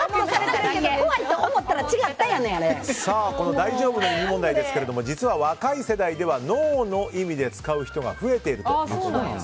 「大丈夫」の意味問題ですけども実は若い世代ではノーの意味で使う人が増えているということなんです。